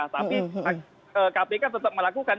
tapi kpk tetap melakukan